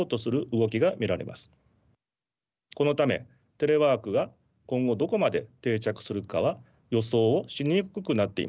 このためテレワークが今後どこまで定着するかは予想をしにくくなっています。